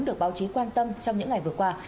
được báo chí quan tâm trong những ngày vừa qua